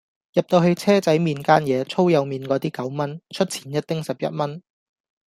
入到去車仔麵間野粗幼麵果啲九蚊出前一丁十一蚊